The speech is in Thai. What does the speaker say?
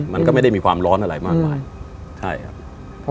มันก็ไม่ได้มีความร้อนอะไรมากมายใช่ครับ